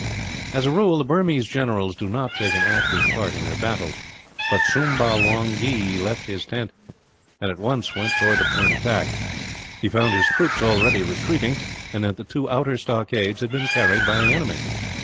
As a rule, the Burmese generals do not take any active part in their battles; but Soomba Wongee left his tent and at once went towards the point attacked. He found his troops already retreating, and that the two outer stockades had been carried by the enemy.